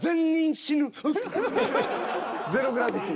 「ゼロ・グラビティ」。